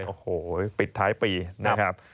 โอ้โหปิดท้ายปีนะครับ